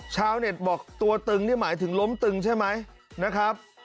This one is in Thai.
ชาวเน็ตบอกตัวตึงนี่หมายถึงล้มตึงใช่ไหมนะครับ